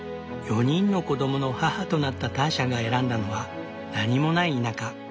４人の子供の母となったターシャが選んだのは何もない田舎。